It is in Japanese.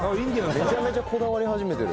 めちゃめちゃこだわり始めてる。